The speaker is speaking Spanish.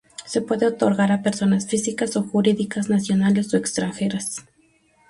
Se puede otorgar a personas físicas o jurídicas, nacionales o extranjeras.